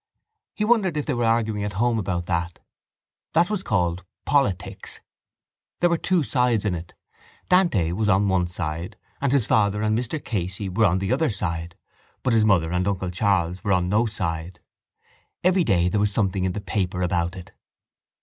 He wondered if they were arguing at home about that. That was called politics. There were two sides in it: Dante was on one side and his father and Mr Casey were on the other side but his mother and uncle Charles were on no side. Every day there was something in the paper about it.